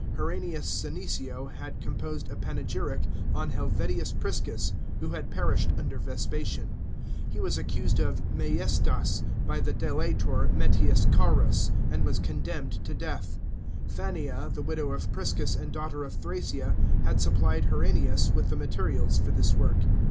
Herennius Senecio had composed a panegyric on Helvidius Prisons, who had perished under Vespasian ; he was accused of maiestas by the delator Metius Carus, and was condemned to death. Fannia, the widow of Priscus and daughter of Thrasea, had supplied Herennius with the materials for this work.